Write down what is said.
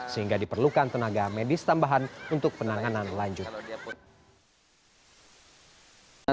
sehingga diperlukan tenaga medis tambahan untuk penanganan lanjut